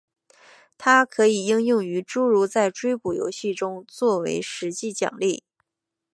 它也可以应用于诸如在追捕游戏中做为实际奖励。